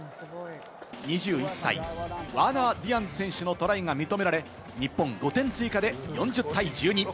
２１歳、ワーナー・ディアンズ選手のトライが認められ、日本５点追加で４０対１２。